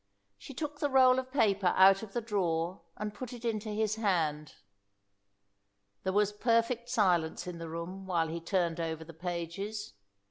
She took the roll of paper out of the drawer and put it into his hand. There was perfect silence in the room while he turned over the pages.